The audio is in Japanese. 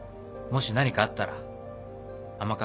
もし何かあったら甘